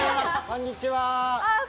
こんにちは。